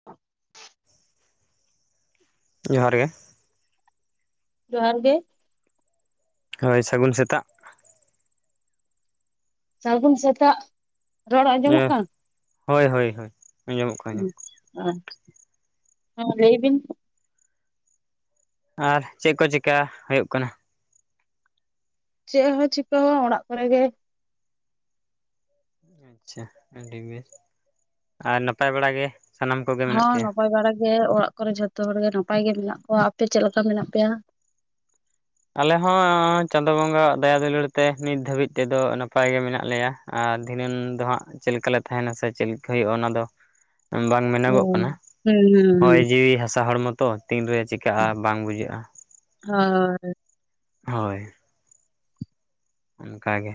[unintelligible] ᱡᱚᱦᱟᱨ ᱜᱮ ᱡᱚᱦᱟᱨ ᱜᱮ ᱦᱚᱭ ᱥᱟᱹᱜᱩᱱ ᱥᱮᱛᱟᱜ ᱥᱟᱹᱜᱩᱱ ᱥᱮᱛᱟᱜ ᱨᱚᱲ ᱟᱸᱡᱚᱢᱚᱜ ᱠᱟᱱᱟ? ᱦᱩᱸᱦᱳᱭ ᱦᱳᱭ ᱟᱸᱡᱚᱢᱚᱜ ᱠᱟᱱᱟ ᱟᱪᱪᱷᱟ [unintelligible] ᱦᱩᱸ ᱞᱟᱹᱭ ᱵᱤᱱ ᱟᱨ ᱪᱮᱫ ᱠᱚ ᱪᱮᱠᱟ ᱦᱩᱭᱩᱜ ᱠᱟᱱᱟ ᱪᱮᱫ ᱦᱚᱸ ᱪᱤᱠᱟᱹ ᱚᱲᱟᱜ ᱠᱚᱨᱮ ᱜᱮ ᱟᱪᱪᱷᱟ ᱟᱹᱰᱤ ᱵᱮᱥ ᱟᱨ ᱱᱟᱯᱟᱭ ᱵᱟᱲᱟ ᱜᱮ ᱥᱟᱱᱟᱢ ᱠᱚᱜᱮ ᱢᱮᱱᱟᱜ ᱦᱚᱸ ᱯᱮᱭᱟ ᱱᱟᱯᱟᱭ ᱵᱟᱲᱟ ᱜᱮ ᱚᱲᱟᱜ ᱠᱚᱨᱮ ᱡᱷᱚᱛᱚ ᱦᱚᱲ ᱜᱮ ᱱᱟᱯᱟᱭ ᱜᱮ ᱢᱮᱱᱟᱜ ᱠᱚᱣᱟ ᱟᱯᱮ ᱪᱮᱫ ᱞᱮᱠᱟ ᱢᱮᱱᱟᱜ ᱯᱮᱭᱟ ᱟᱞᱮ ᱦᱚᱸ ᱪᱟᱸᱫᱚ ᱵᱚᱸᱜᱟᱣᱟᱜ ᱫᱟᱭᱟ ᱫᱩᱞᱟᱹᱲ ᱛᱮ ᱱᱤᱛ ᱫᱷᱟᱹᱵᱤᱡ ᱛᱮᱫᱚ ᱱᱟᱯᱟᱭ ᱜᱮ ᱢᱮᱱᱟᱜ ᱞᱮᱭᱟ ᱟᱨ ᱫᱷᱤᱱᱟᱹᱝ ᱫᱚ ᱦᱟᱸᱜ, ᱪᱮᱫ ᱞᱮᱠᱟᱞᱮ ᱛᱟᱦᱮᱱᱟ ᱥᱮ ᱪᱮᱫ ᱞᱮᱠᱟ ᱦᱩᱭᱩᱜᱼᱟ ᱚᱱᱟ ᱫᱚᱼᱼ ᱵᱟᱝ ᱢᱮᱱᱚᱜᱚᱜ ᱦᱩᱸ ᱠᱟᱱᱟ, ᱦᱩᱸ ᱦᱚᱭ ᱡᱤᱣᱤ ᱦᱟᱥᱟ ᱦᱚᱲᱢᱚ ᱛᱚ ᱛᱤᱱᱨᱮ ᱪᱮᱫᱼᱼ ᱪᱤᱠᱟᱹᱜᱼᱟ ᱵᱟᱝ ᱵᱩᱡᱷᱟᱹᱜᱼᱟ ᱾ ᱦᱚᱭ ᱦᱚᱭ [inaudible] ᱦᱚᱭ ᱾ ᱚᱱᱠᱟ ᱜᱮ,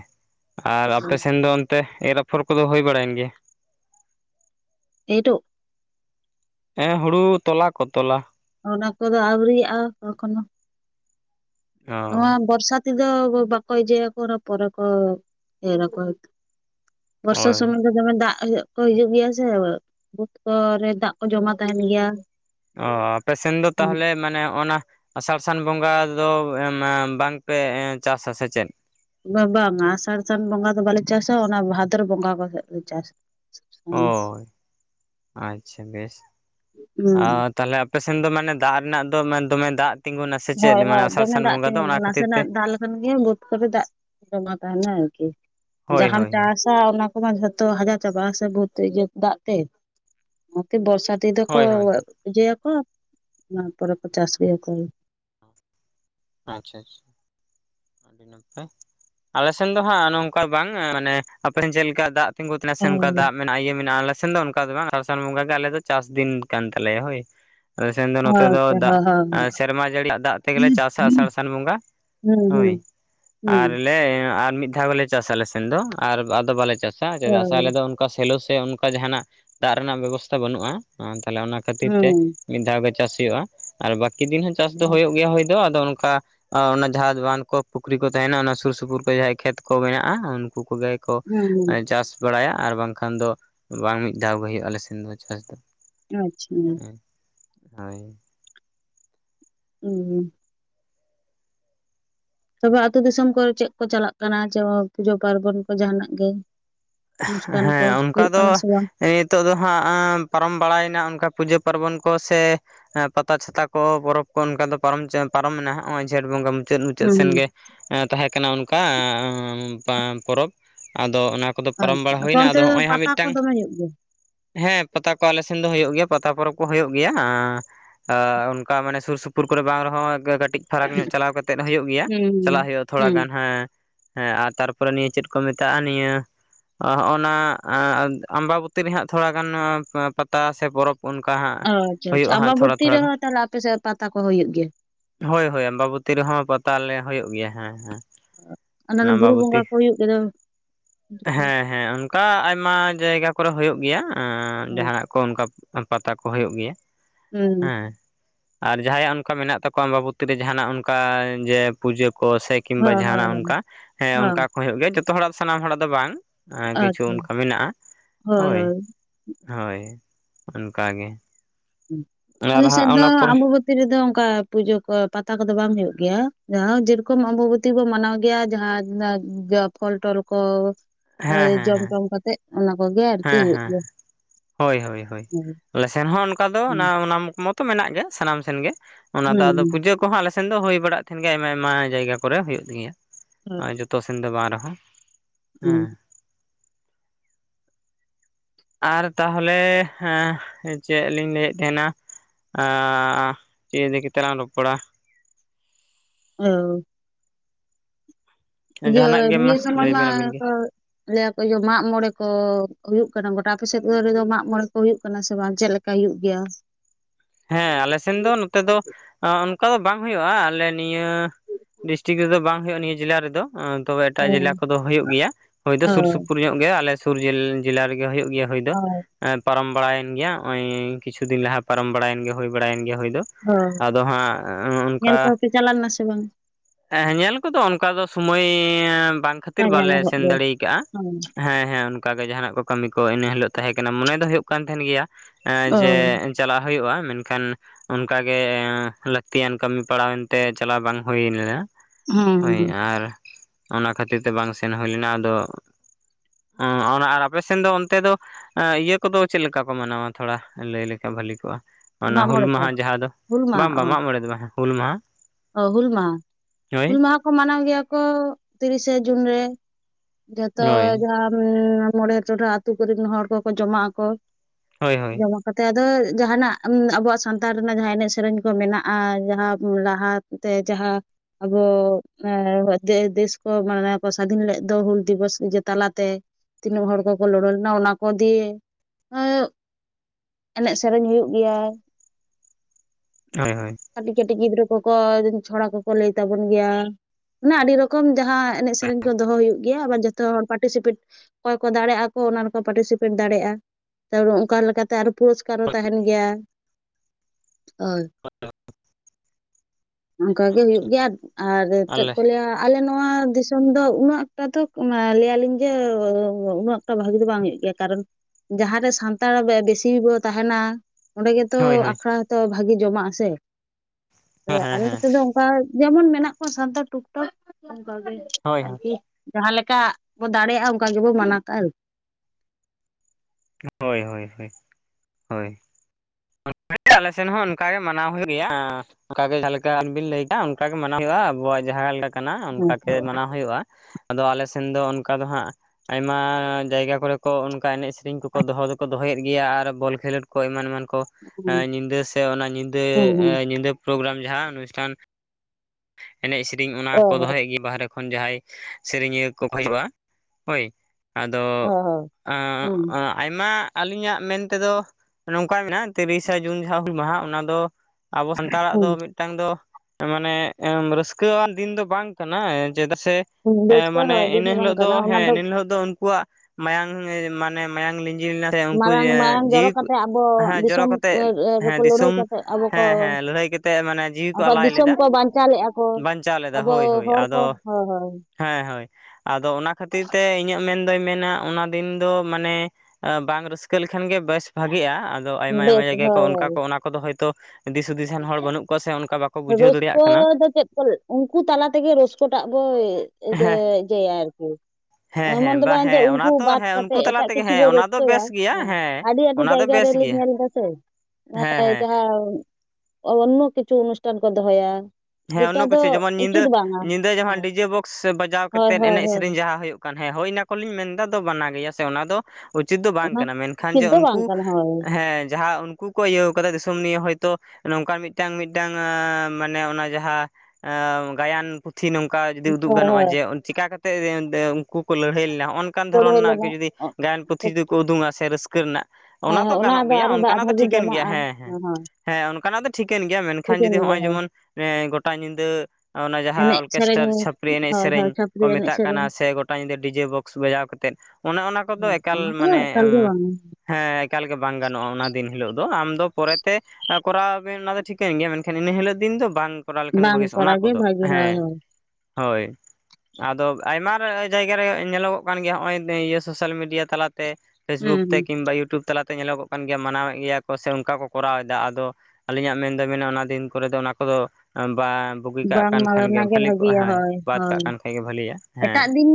ᱟᱨ ᱟᱯᱮ ᱥᱮᱱ ᱫᱚ ᱚᱱᱛᱮ ᱮᱨ ᱟᱯᱷᱚᱨ ᱠᱚᱫᱚ ᱦᱳᱭ ᱵᱟᱲᱟᱭᱮᱱ ᱜᱮᱭᱟ? [inaudible] ᱦᱮᱸ ᱦᱩᱲᱩ ᱛᱚᱞᱟ ᱠᱚ ᱛᱚᱞᱟ, ᱚᱱᱟ ᱠᱚᱫᱚ ᱟᱹᱣᱨᱤᱭᱟᱜᱼᱟ, ᱮᱠᱷᱚᱱᱳ ᱾ ᱚ ᱱᱚᱣᱟ ᱵᱚᱨᱥᱟ ᱛᱮ ᱫᱚ ᱵᱟᱠᱚ [inaudible] ᱠᱚ ᱯᱚᱨᱚᱠᱚ ᱮᱲᱟᱠᱚ [unintelligible] ᱵᱚᱨᱥᱟ ᱦᱳᱭ ᱥᱚᱢᱚᱭ ᱫᱚ, ᱫᱚᱢᱮ ᱫᱟᱜ ᱠᱚ [unintelligible] ᱦᱤᱡᱩᱜ ᱜᱮᱭᱟ ᱥᱮ, ᱵᱩᱫᱽ [unintelligible] ᱠᱚᱨᱮ ᱫᱟᱜ ᱠᱚ ᱡᱚᱢᱟ ᱛᱟᱦᱮᱱ ᱜᱮᱭᱟ᱾ ᱚ ᱟᱯᱮ ᱥᱮᱱ ᱫᱚ ᱛᱟᱦᱚᱞᱮ ᱢᱟᱱᱮ ᱚᱱᱟ, ᱟᱥᱟᱲ ᱥᱟᱱ ᱵᱚᱸᱜᱟ ᱫᱚ [inaudible] ᱵᱟᱝᱯᱮ ᱪᱟᱥᱟ ᱥᱮ ᱪᱮᱫ? ᱵᱟᱝ ᱵᱟᱝ ᱵᱟᱝ ᱟᱥᱟᱲ ᱥᱟᱱ ᱵᱚᱸᱜᱟ ᱫᱚ ᱵᱟᱞᱮ ᱪᱟᱥᱟ ᱚᱱᱟ ᱵᱷᱟᱫᱚᱨ ᱵᱚᱸᱜᱟ ᱠᱚᱛᱮ ᱞᱮ ᱪᱟᱥᱟ᱾ ᱚ, ᱟᱪᱪᱷᱟ ᱵᱮᱹᱥ, ᱦᱩᱸ ᱟᱨᱼᱼ ᱛᱟᱦᱚᱞᱮ ᱟᱯᱮ ᱥᱮᱱ ᱫᱚ ᱢᱟᱱᱮ ᱫᱟᱜ ᱨᱮᱱᱟᱜ ᱫᱚ ᱢᱟᱱᱮ ᱫᱚᱢᱮ ᱫᱟᱜ᱾ ᱛᱤᱸᱜᱩᱱᱟ ᱥᱮ ᱪᱮᱫ ᱦᱚᱭ ᱢᱟᱱᱮ ᱦᱚᱭ ᱟᱥᱟᱲ ᱫᱚᱢᱮ ᱥᱟᱱ ᱫᱟᱜ ᱵᱚᱸᱜᱟ ᱫᱚ ᱛᱤᱸᱜᱩᱱ ᱚᱱᱟ ᱠᱷᱟᱹᱛᱤᱨ ᱱᱟᱥᱮᱱᱟᱜ ᱛᱮ ᱫᱟᱜ ᱞᱮᱠᱷᱟᱱ ᱜᱮ ᱵᱟᱹᱫᱽ ᱠᱚᱨᱮ ᱫᱟᱜ᱾ ᱛᱚᱸᱵᱟ ᱛᱟᱦᱮᱱᱟ ᱟᱨᱠᱤ, ᱦᱳᱭ ᱡᱟᱦᱟᱸᱢ ᱦᱳᱭ ᱪᱟᱥᱼᱼ ᱚᱱᱟ ᱚᱱᱟ ᱠᱚᱢᱟ ᱡᱷᱚᱛᱚ ᱦᱟᱡᱟ ᱪᱟᱵᱟᱜᱼᱟ ᱥᱮ [unintelligible] ᱵᱟᱹᱫᱽ ᱫᱟᱜ ᱛᱮ ᱾ ᱱᱚᱛᱮ ᱵᱚᱨᱥᱟᱛᱤ ᱫᱚᱠᱚ ᱦᱳᱭ ᱦᱳᱭ ᱯᱩᱡᱟᱹᱭᱟᱠᱚ, ᱱᱚᱣᱟᱯᱚᱨᱮ ᱠᱚ ᱪᱟᱥ ᱜᱮᱭᱟᱠᱚ ᱾ ᱟᱪᱪᱷᱟ ᱟᱪᱪᱷᱟ [unintelligible] ᱟᱞᱮ ᱥᱮᱱ ᱫᱚ ᱦᱟᱸᱜ ᱱᱚᱝᱠᱟ ᱵᱟᱝᱟ, ᱢᱟᱱᱮ ᱟᱯᱮᱥᱮᱱ ᱪᱮᱫ ᱞᱮᱠᱟ ᱫᱟᱜᱼᱼ ᱛᱤᱸᱜᱩᱣᱟᱛᱮ ᱱᱟᱥᱮ ᱱᱚᱝᱠᱟ ᱦᱳᱭ ᱫᱟᱜᱼᱼ ᱚᱱᱟ ᱤᱭᱟᱹ ᱢᱮᱱᱟᱜᱼᱟ ᱟᱞᱮ ᱥᱮᱱ ᱫᱚ ᱚᱱᱠᱟ ᱫᱚ ᱵᱟᱝ ᱟᱥᱟᱲ ᱵᱚᱸᱜᱟ ᱜᱮ ᱟᱞᱮ ᱫᱚ ᱪᱟᱥ ᱫᱤᱱ ᱠᱟᱱ ᱛᱟᱞᱮᱭᱟ ᱦᱚᱭ ᱾ ᱟᱞᱮ ᱥᱮᱱ ᱫᱚ ᱱᱚᱛᱮ ᱫᱚ ᱟᱪᱪᱷᱟ ᱫᱟᱜ ᱦᱳᱭ ᱦᱳᱭ ᱟ ᱥᱮᱨᱢᱟ ᱡᱟᱹᱲᱤᱭᱟᱜ ᱫᱟᱜ ᱛᱮᱜᱮᱞᱮᱼᱼ ᱟᱥᱟᱲ ᱥᱟᱱ ᱵᱚᱸᱜᱟ ᱦᱩᱸ ᱦᱩᱸ ᱦᱚᱭ ᱦᱩᱸ ᱟᱨᱼᱼ ᱞᱮ ᱟᱨ ᱢᱤᱫ ᱫᱷᱟᱣ ᱜᱮᱞᱮ ᱪᱟᱥᱟ ᱟᱞᱮ ᱥᱮᱱ ᱫᱚ, ᱟᱨ ᱟᱫᱚ ᱵᱟᱞᱮ ᱪᱟᱥᱟ ᱪᱮᱫᱟᱜ ᱥᱮ ᱦᱳᱭ ᱟᱞᱮ ᱫᱚᱼᱼ ᱚᱠᱟ ᱥᱮᱞᱚ ᱥᱮ ᱚᱱᱠᱟ ᱡᱟᱸᱦᱟᱱᱟᱜ, ᱫᱟᱜ ᱨᱮᱱᱟᱜ ᱵᱮᱵᱚᱥᱛᱷᱟ ᱵᱟᱹᱱᱩᱜᱼᱟ ᱛᱟᱦᱞᱮ ᱚᱱᱟ ᱠᱷᱟᱹᱛᱤᱨ ᱛᱮᱼᱼ ᱢᱤᱫ ᱫᱷᱟᱣ ᱜᱮ ᱪᱟᱥ ᱦᱩᱭᱩᱜᱼᱟ, ᱟᱨ ᱵᱟᱹᱠᱤ ᱫᱤᱱ ᱦᱚᱸ ᱪᱟᱥ ᱫᱚ ᱦᱩᱸ ᱦᱩᱭᱩᱜ ᱜᱮᱭᱟ᱾ ᱦᱩᱭ ᱫᱚ ᱟᱫᱚ ᱚᱱᱠᱟᱼᱼ ᱟᱨ ᱚᱱᱟ ᱡᱟᱦᱟᱸ ᱵᱟᱸᱫᱷ ᱠᱚ ᱯᱩᱠᱷᱨᱤ ᱠᱚ ᱛᱟᱦᱮᱱᱟ ᱚᱱᱟ ᱥᱩᱨ ᱥᱩᱯᱩᱨ ᱠᱚᱨᱮ ᱡᱟᱦᱟᱸᱭ ᱠᱷᱮᱛ ᱠᱚ ᱢᱮᱱᱟᱜᱼᱟ, ᱩᱱᱠᱩ ᱠᱚᱜᱮᱼᱼ ᱠᱚ ᱦᱩᱸ ᱪᱟᱥ ᱵᱟᱲᱟᱭᱟ ᱟᱨ ᱵᱟᱝᱠᱷᱟᱱ ᱫᱚ, ᱵᱟᱝ ᱢᱤᱫ ᱫᱷᱟᱣ ᱜᱮ ᱦᱩᱭᱩᱜᱼᱟ ᱟᱞᱮ ᱥᱮᱱ ᱫᱚ ᱪᱟᱥ ᱫᱚ ᱾ ᱟᱪᱪᱷᱟ ᱦᱮᱸ ᱦᱚᱭ ᱩᱸᱻᱦᱩᱸ ᱛᱚᱵᱮ ᱟᱹᱛᱩ ᱫᱤᱥᱚᱢ ᱠᱚᱨᱮ ᱪᱮᱫ ᱠᱚ ᱪᱟᱞᱟᱜ ᱠᱟᱱᱟ, ᱪᱮ ᱯᱩᱡᱟᱹ ᱯᱟᱨᱵᱚᱱ ᱠᱚ ᱡᱟᱦᱟᱱᱟᱜ ᱜᱮᱼᱼ ᱦᱮᱸ ᱚᱱᱠᱟ ᱫᱚᱼ ᱥᱮ ᱵᱟᱝ? ᱮᱸ ᱱᱤᱛᱚᱜ ᱫᱚ ᱦᱟᱸᱜ, ᱯᱟᱨᱚᱢ ᱵᱟᱲᱟᱭᱮᱱᱟ ᱚᱱᱠᱟ ᱯᱩᱡᱟᱹ ᱯᱟᱨᱵᱚᱱ ᱠᱚ ᱥᱮᱼᱼ ᱦᱮᱸ ᱯᱟᱛᱟ-ᱪᱷᱟᱛᱟ ᱠᱚ ᱯᱚᱨᱚᱵᱽ ᱠᱚ ᱚᱱᱠᱟ ᱫᱚ ᱯᱟᱨᱚᱢ ᱪᱮ ᱯᱟᱨᱚᱢᱮᱱᱟ ᱦᱟᱸᱜ ᱦᱚᱜᱼᱚᱭ ᱡᱷᱮᱸᱴ ᱵᱚᱸᱜᱟ᱾ ᱡᱟᱹᱛ ᱢᱩᱪᱟᱹᱫ ᱦᱩᱸ ᱦᱩᱸ᱾ ᱥᱮᱱᱜᱮ ᱛᱟᱦᱮᱸᱠᱟᱱᱟ ᱚᱱᱠᱟ ᱟᱻ ᱯᱚᱨᱚᱵᱽ ᱟᱫᱚ ᱚᱱᱟᱼᱼ ᱠᱚᱫᱚ ᱯᱟᱨᱚᱢ ᱟᱪᱪᱷᱟ ᱵᱟᱲᱟ ᱟᱯᱮ ᱦᱩᱭᱱᱟ, ᱚᱱᱛᱮ ᱟᱫᱚ ᱫᱚ ᱦᱚᱜᱼᱚᱭ ᱦᱟᱸᱜ ᱯᱟᱛᱟ ᱠᱚ ᱢᱤᱫᱴᱟᱝᱼᱼ ᱫᱚᱢᱮ ᱦᱩᱭᱩᱜ ᱜᱮᱭᱟ? ᱦᱮᱸ ᱯᱟᱛᱟ ᱠᱚ ᱟᱞᱮ ᱥᱮᱱ ᱫᱚ ᱦᱩᱭᱩᱜ ᱜᱮᱭᱟ ᱯᱟᱛᱟ ᱯᱚᱨᱚᱵᱽ ᱠᱚ ᱦᱩᱭᱩᱜ ᱜᱮᱭᱟ ᱟᱸᱻ ᱟᱻ ᱚᱱᱠᱟ ᱢᱟᱱᱮ ᱥᱩᱨᱼᱥᱩᱯᱩᱨ ᱠᱚᱨᱮ ᱵᱟᱝ ᱨᱮᱦᱚᱸ ᱜᱟᱹ ᱠᱟᱹᱴᱤᱡ, ᱯᱷᱟᱨᱟᱠ ᱧᱚᱜ ᱪᱟᱞᱟᱣ ᱠᱟᱛᱮᱜ ᱦᱩᱭᱩᱜ ᱜᱮᱭᱟ ᱪᱟᱞᱟᱜ ᱦᱩᱸ ᱦᱩᱭᱩᱜᱼᱟ ᱛᱷᱚᱲᱟ ᱦᱩᱸ᱾ ᱜᱟᱱ ᱦᱮᱸ ᱦᱮᱸ ᱟᱨ ᱛᱟᱨᱯᱚᱨᱮ ᱱᱤᱭᱟᱹ ᱪᱮᱫ ᱠᱚ ᱢᱮᱛᱟᱜᱼᱟ ᱱᱤᱭᱟᱹ ᱟᱦ ᱱᱚᱜ-ᱚ ᱱᱟ ᱟ ᱟᱢᱵᱟᱵᱚᱛᱤ ᱨᱮᱦᱟᱸᱜ ᱛᱷᱚᱲᱟ ᱜᱟᱱ ᱯᱟᱛᱟ ᱥᱮ ᱯᱚᱨᱚᱵᱽ ᱚᱱᱠᱟ ᱦᱟᱸᱜ ᱚ ᱟᱪᱪᱷᱟ ᱟᱪᱪᱷᱟ ᱦᱩᱭᱩᱜᱼᱟ ᱦᱟᱸᱜ ᱛᱷᱚᱲᱟ ᱟᱢᱵᱟᱵᱩᱛᱤ ᱛᱷᱚᱲᱟ ᱜᱟᱱ ᱨᱮᱦᱚᱸ ᱛᱟᱦᱞᱮ ᱟᱯᱮ ᱥᱮᱫ ᱯᱟᱛᱟ ᱠᱚ ᱦᱩᱭᱩᱜ ᱜᱮᱭᱟ, ᱦᱚᱭ ᱦᱚᱭ ᱟᱢᱵᱟᱵᱚᱛᱤ ᱨᱮᱦᱚᱸ ᱯᱟᱛᱟ ᱞᱮ ᱦᱩᱭᱩᱜ ᱜᱮᱭᱟ ᱦᱮᱸ ᱦᱮᱸ ᱚᱱᱟᱫᱚ ᱵᱩᱨᱩ ᱵᱚᱸᱜᱟ ᱠᱚ ᱦᱩᱭᱩᱜ ᱜᱮ ᱫᱚ- ᱦᱮᱸ ᱦᱮᱸ ᱚᱱᱠᱟ ᱟᱭᱢᱟ ᱡᱟᱭᱜᱟ ᱠᱚᱨᱮ ᱦᱩᱭᱩᱜ ᱜᱮᱭᱟ ᱟᱸᱻ ᱦᱳᱭ ᱡᱟᱦᱟᱸᱱᱟᱜ ᱠᱚ ᱚᱱᱠᱟ ᱯᱟᱛᱟ ᱠᱚ ᱦᱩᱭᱩᱜ ᱜᱮᱭᱟ ᱦᱩᱸ ᱦᱮᱸ, ᱟᱨ ᱡᱟᱦᱟᱸᱭᱟᱜ ᱚᱱᱠᱟ ᱢᱮᱱᱟᱜ ᱛᱟᱠᱚᱣᱟ ᱟᱢᱵᱟᱵᱩᱛᱤ ᱨᱮ ᱡᱟᱦᱟᱱᱟᱜ ᱚᱱᱠᱟ ᱡᱮ ᱯᱩᱡᱟᱹ ᱠᱚ ᱥᱮ ᱦᱳᱭ ᱠᱤᱢᱵᱟ ᱡᱟᱦᱟᱱᱟᱜ ᱦᱳᱭ ᱚᱱᱠᱟ ᱦᱮᱸ ᱦᱳᱭ ᱚᱱᱠᱟ ᱠᱚ ᱦᱩᱭᱩᱜ ᱜᱮᱭᱟ ᱡᱚᱛᱚ ᱦᱚᱲᱟᱜ ᱥᱟᱱᱟᱢ ᱦᱚᱲ ᱟᱜ ᱫᱚ ᱵᱟᱝ ᱟᱸ ᱠᱤᱪᱷᱩ ᱟᱪᱪᱷᱟ ᱚᱱᱠᱟ ᱢᱮᱱᱟᱜᱼᱟ ᱦᱳᱭ ᱦᱚᱭ ᱦᱳᱭ᱾ ᱦᱚᱭ ᱚᱱᱠᱟ ᱜᱮ, ᱟᱞᱮ ᱥᱮᱫ ᱫᱚ ᱟᱢᱵᱟᱵᱚᱛ ᱨᱮᱫᱚ ᱚᱱᱠᱟ ᱯᱩᱡᱟᱹ ᱠᱚ ᱯᱟᱛᱟ ᱠᱚᱫᱚ ᱵᱟᱝ ᱦᱩᱭᱩᱜ ᱜᱮᱭᱟ ᱢᱟᱦᱟᱸ ᱡᱮᱨᱚᱠᱚᱢ ᱚᱢᱵᱟᱵᱚᱛᱤ ᱵᱚ ᱢᱟᱱᱟᱣ ᱜᱮᱭᱟ ᱡᱟᱦᱟᱸ ᱚᱱᱟ ᱡᱟ ᱯᱷᱚᱞ-ᱴᱚᱞ ᱠᱚ ᱦᱮᱸ ᱦᱮᱸ ᱦᱮᱸ ᱡᱚᱢ-ᱴᱚᱢ ᱠᱟᱛᱮᱜ, ᱚᱱᱟ ᱠᱚᱜᱮ ᱟᱨᱠᱤ ᱦᱮᱸ ᱦᱩᱭᱩᱜ ᱦᱮᱸ ᱜᱮᱭᱟ ᱦᱳᱭ ᱦᱳᱭ ᱦᱳᱭ ᱦᱚᱭ, ᱟᱞᱮ ᱥᱮᱱ ᱦᱚᱸ ᱚᱱᱠᱟ ᱫᱚ ᱚᱱᱟ ᱚᱱᱟ ᱢᱚᱛᱚ ᱢᱮᱱᱟᱜ ᱜᱮᱭᱟ ᱥᱟᱱᱟᱢ ᱥᱮᱱ ᱜᱮ ᱚᱱᱟ ᱫᱚ ᱟᱫᱚ ᱦᱩᱸ ᱯᱩᱡᱟᱹ ᱠᱚᱦᱚᱸ ᱟᱞᱮᱥᱮᱱ ᱫᱚ ᱦᱩᱭ ᱵᱟᱲᱟᱜ ᱴᱷᱮᱱ ᱜᱮ ᱟᱭᱢᱟ ᱟᱭᱢᱟ ᱡᱟᱭᱜᱟ ᱠᱚᱨᱮ ᱦᱩᱭᱩᱜ ᱜᱮᱭᱟ ᱦᱳᱭ ᱡᱚᱛᱚ ᱥᱮᱱ ᱫᱚ ᱵᱟᱝ ᱨᱮᱦᱚᱸ, ᱦᱮᱸ ᱦᱩᱸ ᱟᱨ ᱛᱟᱦᱚᱞᱮ ᱦᱮᱸᱜ ᱪᱮᱫ ᱞᱤᱧ ᱞᱟᱹᱭᱮᱫ ᱛᱟᱦᱮᱱᱟ, ᱟᱻ ᱪᱮᱫ ᱤᱫᱤ ᱠᱟᱛᱮ ᱞᱟᱝ ᱨᱚᱯᱚᱲᱟ, ᱟᱣ ᱤᱭᱟᱹ ᱡᱟᱦᱟᱱᱟᱜ ᱜᱮ ᱱᱤᱭᱟᱹ ᱥᱚᱢᱚᱭ ᱞᱟᱹᱭ ᱢᱟ ᱵᱮᱱ ᱟᱹᱵᱤᱱ ᱜᱮ ᱠᱟᱹᱡ, ᱞᱟᱹᱭᱟᱠᱚ ᱡᱮ ᱢᱟᱜ ᱢᱚᱬᱮ ᱠᱚ ᱦᱩᱭᱩᱜ ᱠᱟᱱᱟ ᱜᱚᱴᱟ ᱟᱯᱮ ᱥᱮᱫ ᱠᱚᱨᱮᱫᱚ ᱢᱟᱜ ᱢᱚᱬᱮ ᱠᱚ ᱦᱩᱭᱩᱜ ᱠᱟᱱᱟ ᱥᱮ ᱵᱟᱝ ᱪᱮᱫ ᱞᱮᱠᱟ ᱵᱟᱭ ᱦᱩᱭᱩᱜ ᱜᱮᱭᱟ, ᱦᱮᱸ ᱟᱞᱮ ᱥᱮᱱ ᱫᱚ ᱱᱚᱛᱮ ᱫᱚ ᱚᱱᱠᱟ ᱫᱚ ᱵᱟᱝ ᱦᱩᱭᱩᱜᱼᱟ ᱟᱞᱮ ᱱᱤᱭᱟᱹ ᱰᱤᱥᱴᱤᱠ ᱨᱮᱫᱚ ᱵᱟᱝ ᱦᱩᱭᱩᱜᱼᱟ ᱱᱤᱭᱟᱹ ᱡᱤᱞᱟ ᱨᱮᱫᱚ ᱟᱸ ᱛᱚᱵᱮ ᱮᱴᱟᱜ ᱡᱤᱞᱟ ᱦᱳᱭ ᱠᱚᱫᱚ ᱦᱩᱭᱩᱜ ᱜᱮᱭᱟ ᱦᱳᱭ ᱛᱚ ᱚ ᱥᱩᱨ-ᱥᱩᱯᱩᱨ ᱧᱚᱜ ᱜᱮᱭᱟ ᱟᱞᱮ ᱥᱩᱨ ᱡᱤᱞ ᱡᱤᱞᱟ ᱨᱮᱜᱮ ᱦᱩᱭᱩᱜ ᱜᱮᱭᱟ, ᱦᱳᱭ ᱫᱚ ᱚ ᱯᱟᱨᱚᱢ ᱵᱟᱲᱟᱭᱮᱱ ᱜᱮᱭᱟ ᱱᱚᱜᱼᱚᱭ ᱠᱤᱪᱷᱩ ᱫᱤᱱ ᱞᱟᱦᱟ ᱯᱟᱨᱚᱢ ᱵᱟᱲᱟᱭᱮᱱ ᱜᱮᱭᱟ ᱦᱩᱭ ᱵᱟᱲᱟᱭᱮᱱ ᱜᱮᱭᱟ ᱦᱭ ᱫᱚ᱾ ᱚ ᱟᱫᱚ ᱦᱟᱸᱜ ᱧᱮᱞ ᱚᱱᱠᱟ, ᱠᱚᱦᱚᱸ ᱯᱮ ᱪᱟᱞᱟᱣ ᱞᱮᱱᱟ ᱥᱮ ᱵᱟᱝ ᱦᱮᱸ ᱧᱮᱞ ᱠᱚᱫᱚ ᱚᱱᱠᱟ ᱫᱚ ᱥᱚᱢᱚᱭ ᱵᱟᱝ ᱠᱷᱟᱹᱛᱤᱨ ᱵᱟᱞᱮ ᱧᱟᱢᱚᱜᱚᱜ ᱥᱮᱱ ᱜᱮ ᱫᱟᱲᱮ ᱟᱠᱟᱫᱟᱼᱟ ᱦᱮᱸ ᱦᱮᱸ ᱚᱱᱠᱟᱜ ᱜᱮ ᱡᱟᱦᱟᱸᱱᱟᱜ ᱠᱚ ᱠᱟᱹᱢᱤ ᱠᱚ ᱤᱱᱟᱹ ᱦᱤᱞᱳᱜ ᱛᱟᱦᱮᱸ ᱠᱟᱱᱟ ᱢᱚᱱᱮ ᱫᱚ ᱦᱩᱭᱩᱜ ᱠᱟᱱ ᱛᱟᱦᱮᱱ ᱜᱮᱭᱟ ᱡᱮ ᱚ ᱪᱟᱞᱟᱜ ᱦᱩᱭᱩᱜᱼᱟ ᱢᱮᱱᱠᱷᱟᱱ ᱚᱱᱠᱟᱜᱮ ᱞᱟᱹᱠᱛᱤᱭᱟᱱ ᱠᱟᱹᱢᱤ ᱯᱟᱲᱟᱣᱮᱱᱛᱮ ᱪᱟᱞᱟᱣ ᱵᱟᱝ ᱦᱩᱭ ᱞᱮᱱᱟ, ᱦᱳᱭ ᱦᱮᱸ ᱟᱨ ᱚᱱᱟ ᱠᱷᱟᱹᱛᱤᱨ ᱛᱮ ᱵᱟᱝ ᱥᱮᱱ ᱦᱩᱭ ᱞᱮᱱᱟ ᱟᱫᱚ, ᱚᱸ ᱚᱱᱟ ᱟᱨ ᱟᱯᱮᱥᱱ ᱫᱚ ᱚᱱᱛᱮ ᱫᱚ? ᱤᱭᱟᱹ ᱠᱚᱫᱚ ᱪᱮᱫ ᱞᱮᱠᱟ ᱠᱚ ᱢᱟᱱᱟᱣᱟ ᱛᱷᱚᱲᱟ ᱞᱟᱹᱭ ᱞᱮᱠᱷᱟᱱ ᱵᱷᱟᱞᱤ ᱠᱚᱜᱼᱟ, ᱚᱱᱟ ᱢᱟᱜ ᱦᱩᱞ ᱢᱚᱬᱮ ᱠᱚ ᱢᱟᱦᱟ ᱡᱟᱦᱟᱸ ᱫᱚ ᱦᱩᱞ ᱵᱟᱝ ᱢᱟᱦᱟ ᱵᱟᱝ ᱚ ᱢᱟᱜ ᱢᱚᱬᱮ ᱫᱚ ᱵᱟᱝ ᱦᱩᱞ ᱢᱟᱦᱟ᱾ ᱚ ᱦᱩᱞ ᱢᱟᱦᱟ ᱦᱳᱭ ᱦᱩᱞ ᱢᱟᱦᱟ ᱠᱚ ᱢᱟᱱᱟᱣ ᱜᱮᱭᱟ ᱠᱚ ᱛᱤᱨᱤᱥᱮ ᱡᱩᱱ ᱨᱮ, ᱡᱚᱛᱚ ᱦᱳᱭ ᱡᱟᱦᱟᱸ ᱨᱮ ᱢᱚᱬᱮ ᱴᱚᱴᱷᱟ ᱟᱹᱛᱩᱳ ᱠᱚᱨᱮᱱ ᱦᱚᱲ ᱠᱚᱠᱚ ᱡᱚᱢᱟᱜ ᱟᱠᱚ, ᱦᱳᱭ ᱦᱳᱭ ᱡᱚᱢᱟ ᱠᱟᱛᱮ ᱟᱫᱚ ᱡᱟᱦᱟᱱᱟᱜ ᱟᱵᱚᱣᱟᱜ ᱥᱟᱱᱛᱟᱲ ᱨᱮᱱᱟᱜ ᱡᱟᱦᱟᱸ ᱮᱱᱮᱡ ᱥᱮᱨᱮᱧ ᱠᱚ ᱢᱮᱱᱟᱜᱼᱟ ᱡᱟᱦᱟᱸ ᱞᱟᱦᱟ ᱮᱱ ᱛᱮ ᱡᱟᱦᱟᱸ ᱟᱵᱚ ᱮᱸ ᱫᱮᱥ ᱠᱚ ᱢᱟᱱᱮ ᱠᱚ ᱥᱟᱹᱫᱷᱤᱱ ᱞᱮᱫ ᱫᱚ ᱦᱩᱞ ᱫᱤᱵᱚᱥ ᱛᱟᱞᱟᱛᱮ, ᱛᱤᱱᱟᱹᱜ ᱦᱚᱲ ᱠᱚᱠᱚ ᱞᱚᱲᱚ ᱞᱮᱱᱟ ᱚᱱᱟ ᱠᱚ ᱫᱤᱭᱮ, ᱮᱻ ᱮᱱᱮᱡ ᱥᱮᱨᱮᱧ ᱦᱩᱭᱩᱜ ᱜᱮᱭᱟ ᱦᱳᱭ ᱦᱳᱭ ᱠᱟᱹᱴᱤᱡ ᱠᱟᱹᱴᱤᱡ ᱜᱤᱫᱽᱨᱟᱹ ᱠᱚᱼᱠᱚ ᱪᱷᱚᱲᱟ ᱠᱚᱼᱠᱚ ᱞᱟᱹᱭ ᱛᱟᱵᱚᱱ ᱜᱮᱭᱟ ᱢᱟᱱᱮ ᱟᱹᱰᱤ ᱨᱚᱠᱚᱢ ᱡᱟᱦᱟᱸ ᱮᱱᱮᱡ ᱥᱮᱨᱮᱧ ᱠᱚ ᱫᱚᱦᱚ ᱦᱩᱭᱩᱜ ᱜᱮᱭᱟ ᱟᱵᱟᱨ ᱡᱚᱛᱚ ᱦᱚᱲ ᱯᱟᱴᱤᱥᱤᱯᱮᱴ ᱚᱠᱚᱭ ᱠᱚ ᱫᱟᱲᱮᱭᱟᱜ ᱟᱠᱚ ᱚᱱᱟ ᱨᱮᱠᱚ ᱯᱟᱟᱨᱴᱤᱥᱤᱯᱮᱴ ᱫᱟᱲᱮᱭᱟᱜᱼᱟ ᱛ ᱚᱱᱠᱟ ᱞᱮᱠᱟ ᱛᱮ ᱟᱨ ᱯᱩᱨᱚᱥᱠᱟᱨ ᱦᱚᱸ ᱛᱟᱦᱮᱱ ᱜᱮᱭᱟ [inaudible] [inaudible] ᱚᱱᱠᱟᱜᱮ ᱦᱩᱭᱩᱜ ᱜᱮᱭᱟ ᱾ ᱟᱨ ᱪᱮᱫ ᱟᱞᱮ ᱠᱚ ᱞᱟᱹᱭᱟ? ᱟᱞᱮ ᱱᱚᱣᱟ ᱫᱤᱥᱚᱢ ᱫᱚ ᱩᱱᱟᱹᱜ ᱴᱟᱜ ᱛᱚ ᱞᱟᱹᱭᱟᱞᱤᱧ ᱡᱮ ᱩᱱᱟᱹᱜ ᱛᱚ ᱵᱷᱟᱜᱤ ᱫᱚ ᱵᱟᱝ ᱦᱩᱭᱩᱜ ᱜᱮᱭᱟ ᱠᱟᱨᱚᱱ ᱡᱟᱦᱟᱸᱨᱮ ᱥᱟᱱᱛᱟᱲ ᱵᱮᱥᱤ ᱵᱚ ᱛᱟᱦᱮᱱᱟ, ᱚᱸᱰᱮ ᱜᱮᱛᱚ ᱦᱳᱭ ᱦᱳᱭ ᱟᱠᱷᱲᱟ ᱛᱚ ᱵᱷᱟᱜᱤ ᱡᱚᱢᱟᱜ ᱟᱥᱮ ᱾ ᱦᱮᱸ ᱦᱮᱸ ᱟᱞᱮ ᱦᱮᱸ ᱱᱚᱛᱮ ᱫᱚ ᱚᱱᱠᱟ ᱡᱮᱢᱚᱱ ᱢᱮᱱᱟᱜ ᱠᱚᱣᱟ ᱥᱟᱱᱛᱟᱲ ᱴᱩᱠ ᱴᱟᱠ ᱚᱱᱠᱟᱜᱮ ᱦᱳᱭ ᱟᱨᱠᱤ, ᱡᱟᱦᱟᱸ ᱞᱮᱠᱟ ᱵᱚ ᱫᱟᱲᱮᱭᱟᱜᱼᱟ ᱚᱱᱠᱟ ᱜᱮᱵᱚ ᱢᱟᱱᱟᱣᱚᱠᱟᱜᱼᱟ ᱟᱨ ᱦᱳᱭ ᱦᱳᱭ ᱦᱳᱭ ᱦᱳᱭ ᱚᱱᱠᱟᱜ ᱟᱞᱮ ᱥᱮᱱ ᱦᱚᱸ ᱚᱱᱠᱟᱜ ᱜᱮ ᱢᱟᱱᱟᱣ ᱦᱩᱭᱩᱜ ᱜᱮᱭᱟ ᱾ ᱮᱸ ᱚᱱᱠᱟᱜᱮ ᱡᱟᱦᱟᱸ ᱞᱮᱠᱟ ᱵᱤᱱ ᱞᱟᱹᱭᱠᱮᱜᱼᱟ ᱚᱱᱠᱟ ᱜᱮ ᱢᱟᱱᱟᱣᱦᱩᱭᱩᱜᱼᱟ ᱟᱵᱚᱣᱟᱜ ᱡᱟᱦᱟᱸ ᱞᱮᱠᱟ ᱠᱟᱱᱟ ᱦᱩᱸ ᱚᱱᱠᱟᱜᱮ ᱢᱟᱱᱟᱣ ᱦᱩᱭᱩᱜᱼᱟ ᱾ ᱟᱫᱚ ᱟᱞᱮᱥᱱ ᱫᱚ ᱚᱱᱠᱟ ᱫᱚ ᱦᱟᱸᱜ ᱟᱭᱢᱟ ᱡᱟᱭᱜᱟ ᱠᱚᱨᱮ ᱠᱚ ᱚᱱᱠᱟ ᱮᱱᱮᱡ ᱥᱮᱨᱮᱧ ᱠᱚ ᱠᱚ ᱫᱚᱦᱚ ᱫᱚᱠᱚ ᱫᱚᱦᱚᱭᱮᱫ ᱜᱮᱭᱟ ᱟᱨ ᱵᱚᱞ ᱠᱷᱮᱞᱳᱰ ᱠᱚ ᱮᱢᱟᱱ ᱮᱢᱟᱱ ᱠᱚ, ᱧᱤᱫᱟᱹ ᱥᱮ ᱚᱱᱟ ᱧᱤᱫᱟᱹ ᱦᱩᱸ ᱧᱤᱫᱟᱹ ᱯᱨᱳᱜᱨᱟᱢ ᱡᱟᱦᱟᱸ ᱚᱱᱩᱥᱴᱷᱟᱱ ᱮᱱᱮᱡ ᱥᱮᱨᱮᱧ ᱚᱱᱟ ᱚ ᱠᱚ ᱦᱚᱸ ᱫᱚᱦᱚᱭ ᱜᱮ ᱵᱟᱦᱨᱮ ᱠᱷᱚᱱ ᱡᱟᱦᱟᱸᱭ ᱥᱮᱨᱮᱧᱤᱭᱟᱹ ᱠᱚ ᱵᱷᱟᱜᱤ ᱵᱟ ᱦᱳᱭ ᱾ ᱟᱫᱚ ᱚ ᱟᱸ ᱦᱚᱸ ᱟᱸ ᱟᱭᱢᱟ ᱟᱹᱞᱤᱧᱟᱜ ᱢᱮᱱ ᱛᱮᱫᱚ ᱱᱚᱝᱠᱟ ᱢᱮᱱᱟᱜᱼᱟ ᱛᱤᱨᱤᱥᱟ ᱡᱩᱱ ᱡᱟᱦᱟᱸ ᱦᱩᱞ ᱢᱟᱦᱟ ᱚᱱᱟ ᱫᱚ ᱟᱵᱚ ᱥᱟᱱᱛᱟᱲᱟᱜ ᱫᱚ ᱦᱩᱸ ᱢᱤᱫᱴᱟᱝ ᱫᱚ ᱢᱟᱱᱮ ᱨᱟᱹᱥᱠᱟᱹᱣᱱ ᱫᱤᱱ ᱫᱚ ᱵᱟᱝ ᱠᱟᱱᱟ, ᱪᱮᱫᱟᱜ ᱥᱮ ᱦᱩᱸ ᱮᱸ ᱨᱟᱹᱥᱠᱟᱹ ᱢᱟᱱᱮ ᱦᱚᱸ ᱟᱹᱰᱤ ᱤᱱᱟᱹ ᱵᱟᱝ ᱦᱤᱞᱳᱜ ᱫᱚ ᱠᱟᱱᱟ ᱚᱱᱟ ᱦᱮᱸ ᱮᱱᱹ ᱦᱤᱞᱳᱜ ᱫᱚ ᱩᱱᱠᱩᱣᱟᱜ ᱢᱟᱭᱟᱝ ᱢᱟᱱᱮ ᱢᱟᱭᱟᱝ ᱞᱤᱸᱡᱤᱱᱟ ᱥᱮ ᱩᱱᱠᱩ ᱢᱟᱨᱟᱝ ᱢᱟᱭᱟᱝ ᱡᱚᱨᱚ ᱡᱤᱣᱤ ᱠᱟᱛᱮ ᱟᱵᱚ ᱦᱮᱸ ᱡᱚᱨᱚ ᱫᱤᱥᱚᱢ ᱠᱟᱛᱮᱜ ᱨᱮᱠᱚ ᱦᱮᱸ ᱞᱟᱹᱲᱦᱟᱹᱭ ᱫᱤᱥᱚᱢ ᱠᱟᱛᱮ ᱟᱵᱚ ᱠᱚ ᱦᱮᱸ ᱦᱮᱸ ᱞᱟᱹᱲᱦᱟᱹᱭ ᱠᱟᱛᱮ ᱛᱮ ᱢᱟᱱᱮ ᱡᱤᱣᱤ ᱠᱚ ᱟᱵᱚᱣᱟᱜ ᱟᱞᱟᱭ ᱫᱤᱥᱚᱢ ᱞᱮᱫᱟ ᱠᱚ ᱵᱟᱧᱪᱟᱣ ᱞᱮᱫᱼᱟ ᱠᱚ ᱵᱟᱧᱪᱟᱣ ᱞᱮᱫᱟ ᱟᱵᱚ ᱦᱳᱭ ᱦᱳ ᱦᱚᱲ ᱠᱚ ᱟᱫᱚ ᱦᱳᱭ ᱦᱳᱭ ᱦᱮᱸ ᱦᱳᱭ ᱟᱫᱚ ᱚᱱᱟ ᱠᱷᱟᱹᱛᱤᱨ ᱛᱮ ᱤᱧᱟᱹᱜ ᱢᱮᱱ ᱫᱚ ᱢᱮᱱᱟ ᱚᱱᱟ ᱫᱤᱱ ᱫᱚ ᱢᱟᱱᱮ ᱵᱟᱝ ᱨᱟᱹᱥᱠᱟᱹ ᱞᱮᱠᱷᱟᱱ ᱜᱮ ᱵᱮᱥ ᱵᱷᱟᱜᱤᱜᱼᱟ, ᱟᱫᱚ ᱟᱭᱢᱟ - ᱟᱭᱢᱟ ᱵᱮᱥ ᱡᱟᱭᱜᱟ ᱠᱚ ᱦᱳᱭ ᱚᱱᱠᱟ ᱦᱳᱭ ᱠᱚ ᱚᱱᱟ ᱠᱚᱫᱚ ᱦᱚᱭ ᱛᱚ ᱫᱤᱥ ᱦᱩᱫᱤᱥ ᱦᱟᱱ ᱦᱚᱲ ᱵᱟᱹᱱᱩᱜ ᱠᱚᱣᱟ ᱥᱮ ᱚᱱᱠᱟ ᱵᱟ ᱠᱚ ᱵᱩᱡᱷᱟᱹᱣ ᱫᱟᱲᱮᱭᱟᱜ ᱼᱼ [inaudible] ᱩᱱᱠᱩ ᱛᱟᱞᱟ ᱛᱮᱜᱮ ᱨᱟᱹᱥᱠᱟᱹ ᱴᱟᱜ ᱵᱚ ᱤᱫᱟᱹ ᱦᱮᱸ ᱤᱭᱟᱹᱭᱟ ᱟᱨᱠᱤ ᱾ ᱦᱮᱸ ᱮᱢᱚᱱ ᱦᱮᱸ ᱫᱚ ᱵᱟ ᱵᱟᱝ ᱡᱮ ᱦᱮᱸ ᱚᱱᱟ ᱩᱱᱠᱩ ᱫᱚ ᱵᱟᱫᱽ ᱦᱮᱸ ᱠᱟᱛᱮᱜ ᱩᱱᱠᱩ ᱛᱟᱞᱟ ᱮᱴᱟᱜ ᱛᱮᱜᱮ ᱠᱤᱪᱷᱩ ᱦᱮᱸ ᱵᱚ ᱚᱱᱟ ᱫᱚ ᱨᱟᱹᱥᱠᱟᱹᱭᱟ ᱵᱮᱥ ᱜᱮᱭᱟ ᱦᱮᱸ ᱟᱹᱰᱤ ᱟᱹᱰᱤ ᱚᱱᱟ ᱫᱚ ᱡᱟᱭᱜᱟ ᱨᱮ ᱵᱮᱥ ᱞᱤᱧ ᱜᱮᱭᱟ ᱧᱮᱞ ᱫᱟᱥᱮ, ᱦᱮᱸ ᱢᱟᱱᱮ ᱦᱮᱸ ᱡᱟᱦᱟᱸᱼᱼ ᱚᱱᱱᱳ ᱠᱤᱪᱷᱩ ᱚᱱᱩᱥᱴᱷᱟᱱ ᱠᱚ ᱫᱚᱦᱚᱭᱟ ᱾ ᱦᱮᱸ ᱚᱱᱱᱳ ᱠᱤᱪᱷᱩ ᱡᱮᱢᱚᱱ ᱧᱤᱫᱟᱹ ᱧᱤᱫᱟᱹ ᱡᱟᱦᱟᱸ ᱰᱤᱡᱮ ᱵᱚᱠᱥ ᱵᱟᱡᱟᱣ ᱦᱳᱭ ᱠᱟᱛᱮᱜ ᱦᱳᱭ ᱮᱱᱮᱡᱽ ᱦᱳᱭ ᱥᱮᱸᱨᱮᱸᱧ ᱡᱟᱦᱟᱸ ᱦᱩᱭᱩᱜ ᱼᱼ ᱠᱟᱱ ᱦᱮ ᱦᱳᱭ ᱚᱱᱟ ᱠᱚᱞᱤᱧ ᱢᱮᱱᱫᱟ ᱫᱚ ᱵᱟᱱᱟ ᱜᱮᱭᱟ ᱥᱮ ᱚᱱᱟ ᱫᱚ? ᱩᱪᱤᱛ ᱫᱚ ᱵᱟᱝ ᱚᱱᱟ ᱠᱟᱱᱟ ᱢᱮᱱᱠᱷᱟᱱ ᱩᱪᱤᱛ ᱡᱮ ᱫᱚ ᱩᱱᱠᱩ ᱵᱟᱝ ᱠᱟᱱᱟ ᱦᱳᱭ ᱦᱮᱸ ᱡᱟᱦᱟᱸ ᱩᱱᱠᱩᱼᱼ ᱠᱚ ᱤᱭᱟᱹᱣ ᱠᱟᱫᱟ ᱫᱤᱥᱚᱢ ᱱᱤᱭᱮ ᱦᱳᱭᱛᱳ ᱱᱚᱝᱠᱟ ᱢᱤᱫᱴᱟᱝ ᱢᱤᱫᱴᱟᱝ ᱟᱸ ᱢᱟᱱᱮ ᱚᱱᱟᱼᱼ ᱡᱟᱦᱟᱸ ᱟᱸ ᱜᱟᱭᱟᱱ ᱯᱩᱛᱷᱤ ᱱᱚᱝᱠᱟ ᱡᱩᱫᱤ ᱦᱳᱭ ᱩᱫᱩᱜ ᱜᱟᱱᱚᱜᱼᱟ ᱦᱳᱭ ᱡᱮ ᱪᱤᱠᱟ ᱠᱟᱼᱼ ᱛᱮ ᱫᱮ ᱩᱝᱠᱩ ᱠᱚ ᱞᱟᱹᱲᱦᱟᱹᱭ ᱞᱮᱱᱟ ᱦᱚᱜᱼᱚᱱ ᱠᱟᱱ ᱫᱷᱚᱨᱚᱱ ᱞᱟᱹᱲᱦᱟᱹᱭ ᱨᱮᱱᱟᱜ ᱞᱮᱱᱟ ᱡᱩᱫᱤ ᱦᱳᱭ ᱼᱼ ᱜᱟᱭᱟᱱ ᱯᱩᱛᱷᱤ ᱫᱚᱠᱚ ᱩᱸᱫᱩᱝᱟ ᱥᱮ ᱨᱟᱹᱥᱠᱟᱹ ᱨᱮᱱᱟᱜ ᱚᱱᱟ ᱫᱚ ᱦᱳᱭ ᱜᱟᱱᱚᱜ ᱜᱮᱭᱟ, ᱟᱨᱚ ᱫᱟᱜ ᱚᱱᱠᱟᱱᱟᱜ ᱫᱚ ᱵᱷᱟᱹᱜᱤ ᱴᱷᱤᱠᱟᱹᱱ ᱜᱮᱭᱟ ᱾ ᱡᱚᱢᱟᱜᱼᱟ ᱦᱮᱸ ᱦᱳᱭ ᱦᱮᱸ ᱦᱮᱸ ᱚᱱᱠᱟᱱᱟᱜ ᱫᱚ ᱴᱷᱤᱠᱟᱹᱱ ᱜᱮᱭᱟ, ᱢᱮᱱᱠᱷᱟᱱ ᱴᱷᱤᱠᱟᱹᱱ ᱡᱩᱫᱤ ᱜᱮᱭᱟ ᱦᱚᱜᱼᱚᱭ ᱦᱳᱭ ᱡᱮᱢᱚᱱ ᱮᱸ ᱜᱚᱴᱟ ᱧᱤᱫᱟᱹᱼᱼ ᱚᱱᱟ ᱡᱟᱦᱟᱸ ᱮᱱᱮᱡ ᱚᱨᱠᱮᱥᱴᱟᱨ ᱥᱮᱨᱮᱧ ᱪᱷᱟᱯᱨᱤ ᱮᱱᱮᱡ ᱦᱳᱭ ᱦᱳᱭ ᱥᱮᱸᱨᱮᱸᱧ ᱪᱷᱟᱹᱯᱨᱤ ᱠᱚ ᱮᱱᱮᱡ ᱢᱮᱛᱟᱜ ᱥᱮᱨᱮᱧ ᱠᱟᱱᱟ, ᱥᱮ ᱜᱚᱴᱟ ᱧᱤᱫᱟᱹ ᱰᱤᱡᱮ ᱵᱚᱠᱥ ᱵᱟᱡᱟᱣ ᱠᱟᱛᱮᱫᱼᱼ ᱚᱱᱮ ᱚᱱᱟ ᱠᱚᱫᱚ ᱦᱳᱭ ᱮᱠᱟᱞ ᱚᱱᱟ ᱠᱚᱫᱚ ᱢᱟᱱᱮ ᱮᱠᱟᱞ ᱩᱸ ᱜᱮ ᱵᱟᱝ ᱼᱼ ᱦᱮᱸ ᱮᱠᱟᱞ ᱜᱮ ᱵᱟᱝ ᱜᱟᱱᱚᱜᱼᱟ, ᱚᱱᱟ ᱫᱤᱱ ᱦᱤᱞᱳᱜ ᱫᱚ ᱟᱢ ᱫᱚ ᱯᱚᱨᱮᱛᱮᱼᱼ ᱟ ᱠᱚᱨᱟᱣ ᱵᱤᱱ ᱚᱱᱟ ᱫᱚ ᱴᱷᱤᱠᱟᱹᱱ ᱜᱮᱭᱟ, ᱢᱮᱱᱠᱷᱟᱱ ᱤᱱᱟᱹ ᱦᱤᱞᱳᱜ ᱫᱤᱱ ᱫᱚ ᱵᱟᱝᱼᱼ ᱠᱚᱨᱟᱣ ᱞᱮᱠᱷᱟᱱ ᱜᱮ ᱵᱟᱝ ᱵᱟᱹᱜᱮᱥ ᱚᱱᱟ ᱠᱚᱨᱟᱣ ᱜᱮ ᱠᱚᱫᱚ ᱵᱷᱟᱜᱤ ᱦᱳᱭ ᱦᱮᱸ ᱦᱳᱭ ᱦᱳᱭ ᱟᱫᱚ ᱟᱭᱢᱟᱨ ᱡᱟᱭᱜᱟᱨᱮ ᱧᱮᱞᱚ ᱜᱚᱜ ᱠᱟᱱ ᱜᱮᱭᱟ, ᱱᱚᱜᱼᱚᱭ ᱤᱭᱟᱹ ᱥᱳᱥᱟᱞ ᱢᱤᱰᱤᱭᱟ ᱛᱟᱞᱟᱛᱮ ᱾ ᱦᱩᱸ ᱯᱷᱮᱥᱵᱩᱠ ᱛᱮ ᱦᱩᱸ ᱠᱤᱝᱵᱟ ᱤᱭᱩᱴᱩᱵᱽ ᱛᱟᱞᱟᱛᱮ ᱧᱮᱞᱚᱜᱚᱜ ᱠᱟᱱ ᱜᱮᱭᱟ, ᱢᱟᱱᱟᱣᱮᱫ ᱜᱮᱭᱟ ᱠᱚ ᱥᱮ ᱚᱱᱠᱟ ᱠᱚ ᱠᱚᱨᱟᱣ ᱮᱫᱟ ᱟᱫᱚ ᱟᱹᱞᱤᱧᱟᱜ ᱢᱮᱱ ᱫᱚ ᱢᱮᱱᱟ ᱚᱱᱟ ᱫᱤᱱ ᱠᱚᱨᱮ ᱫᱚ ᱚᱱᱟ ᱠᱚᱫᱚ ᱵᱟ ᱵᱩᱜᱤ ᱠᱟᱜ ᱵᱟᱝ ᱠᱟᱱ ᱠᱷᱟᱱ ᱢᱟᱞᱚᱴ ᱜᱮ ᱚᱱᱟᱜᱮ ᱵᱷᱟᱹᱞᱤ ᱠᱚᱜᱼᱟ ᱵᱷᱟᱜᱤᱭᱟ ᱦᱳᱭ ᱵᱟᱫᱽ ᱦᱳᱭ ᱠᱟᱜ ᱠᱟᱱ ᱠᱷᱟᱢ ᱜᱮ ᱵᱷᱟᱹᱞᱤᱭᱟ ᱾ ᱮᱴᱟᱜ ᱫᱤᱱ